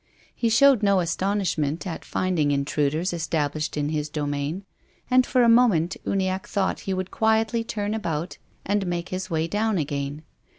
He showed no astonishment at finding intruders estab lished in his domain, and for a moment Uniacke thought he would quietly turn about and make his way down again.